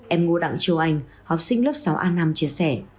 em ngô đặng châu anh học sinh lớp sáu a năm chia sẻ